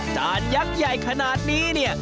จานยักษ์ใหญ่ขนาดนี้เนี่ย